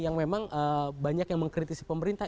yang memang banyak yang mengkritisi pemerintah